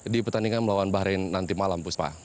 di pertandingan melawan bahrain nanti malam puspa